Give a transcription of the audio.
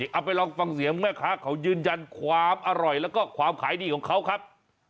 เอาไปลองฟังเสียงแม่ค้าเขายืนยันความอร่อยแล้วก็ความขายดีของเขาครับ